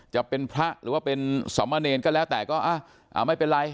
จะเป็นพระหรือว่าเป็นสมเนรก็แล้วแต่ก็ไม่เป็นไร